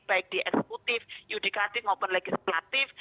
baik di eksekutif yudikatif maupun legislatif